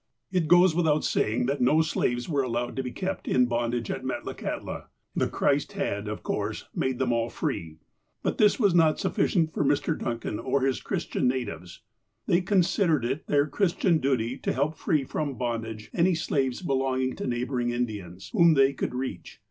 It goes without saying, that no slaves were allowed to be kept in bondage at Metlakahtla. The Christ had, of course, made them all free. But this was not sufScient for Mr. Duncan or his Christian natives. They consid ered it their Christian duty to help to free from bondage any slaves belonging to neighbouring Indians, whom they could reach.